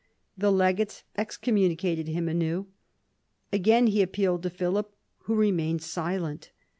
The legates excommunicated him anew. Again he appealed to Philip, who remained silent.